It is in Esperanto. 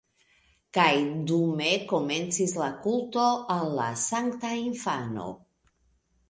Kaj dume komencis la kulto al la sankta infano.